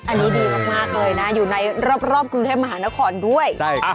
อันนี้ดีมากเลยนะอยู่ในรอบกรุงเทพมหานครด้วย